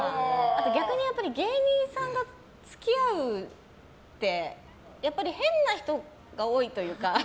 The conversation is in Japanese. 逆に芸人さんが付き合うってやっぱり変な人が多いというか。